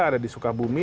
ada di sukabumi